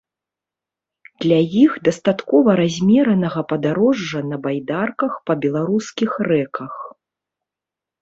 Для іх дастаткова размеранага падарожжа на байдарках па беларускіх рэках.